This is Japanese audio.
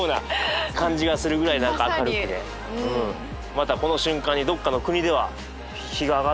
またこの瞬間にどっかの国では日が上がってるから。